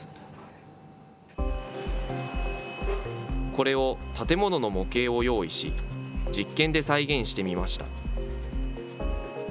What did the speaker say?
これを建物の模型を用意し、実験で再現してみました。